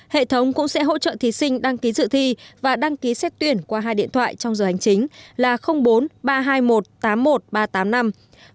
hệ thống cũng sẽ hỗ trợ thí sinh đăng ký dự thi và đăng ký xét tuyển qua hai điện thoại trong giờ hành chính là bốn ba trăm hai mươi một tám mươi một nghìn ba trăm tám mươi năm bốn ba trăm hai mươi một tám mươi một nghìn ba trăm tám mươi sáu